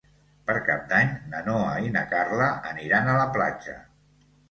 Per Cap d'Any na Noa i na Carla aniran a la platja.